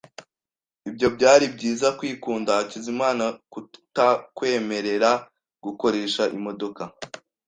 Ibyo byari byiza kwikunda Hakizimana kutakwemerera gukoresha imodoka.